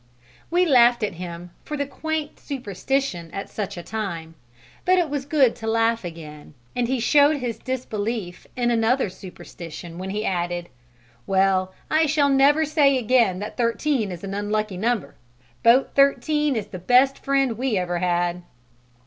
We laughed at him for the quaint superstition at such a time, and it was good to laugh again, but he showed his disbelief in another superstition when he added, "Well, I shall never say again that 13 is an unlucky number. Boat 13 is the best friend we ever had."